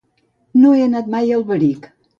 No he anat mai a Alberic.